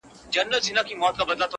د دغه ښار ښکلي غزلي خیالوري غواړي